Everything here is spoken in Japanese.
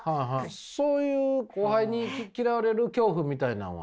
そういう後輩に嫌われる恐怖みたいなんは。